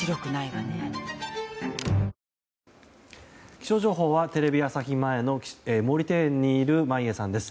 気象情報はテレビ朝日前の毛利庭園にいる眞家さんです。